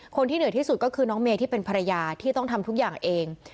คนที่เหนื่อยที่สุดก็คือน้องเมย์ที่เป็นภรรยาที่ต้องทำทุกอย่างเอง